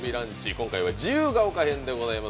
今回は自由が丘編でございます。